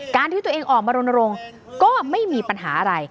การที่ตัวเองออกมาโรนโรงก็ไม่มีปัญหาอะไร